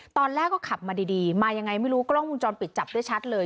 ตอนแรกก็ขับมาดีมายังไงไม่รู้กล้องวงจรปิดจับได้ชัดเลย